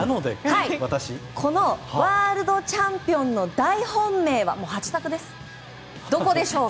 ワールドチャンピオンの大本命はどこでしょう？